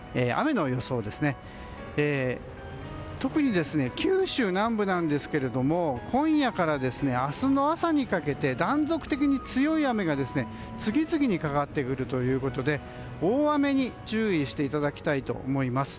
特に九州南部ですが今夜から明日の朝にかけて断続的に強い雨が次々にかかってくるということで大雨に注意していただきたいと思います。